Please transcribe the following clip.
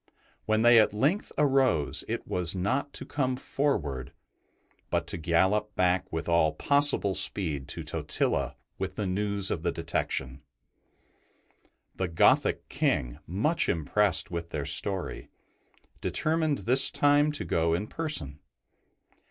When they at length arose, it was not to come forward, but to gallop back with all possible speed to Totila with the news of the detection. The Gothic King, much impressed with their story, determined this time to go in person.